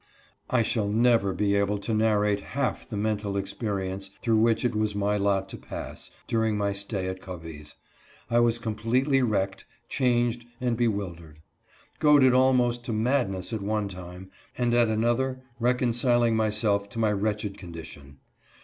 I shall never be able to narrate half the mental expe rience through which it was my lot to pass, during my stay at Covey's. I was completely wrecked, changed, and 7 154 I AM A SLAVE. bewildered ; goaded almost to madness at one time, and at another reconciling myself to my wretched condition.